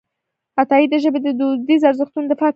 عطایي د ژبې د دودیزو ارزښتونو دفاع کړې ده.